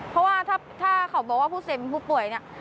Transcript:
เพราะว่าถ้าเขาบอกว่าผู้เสพเป็นผู้ป่วยเนี่ย